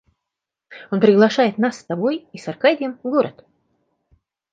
Он приглашает нас с тобой и с Аркадием в город.